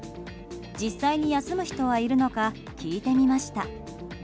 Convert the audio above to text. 実際に休む人はいるのか聞いてみました。